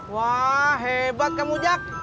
wah hebat kamu jak